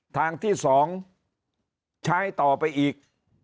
ทางที่๒ใช้ต่อไปอีก